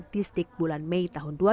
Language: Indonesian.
di stik bulan mei dua ribu dua puluh